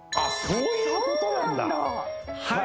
そういうことなんだそうなんだ！